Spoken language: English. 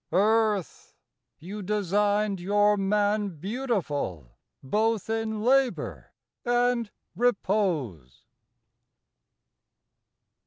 .. Earth, you designed your man Beautiful both in labour, and repose.